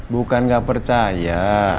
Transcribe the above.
bukan gak percaya